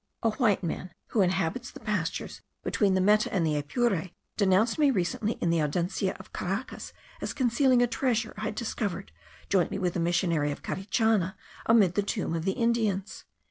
A white man, who inhabits the pastures between the Meta and the Apure, denounced me recently in the Audencia of Caracas, as concealing a treasure I had discovered, jointly with the missionary of Carichana, amid the tombs of the Indians.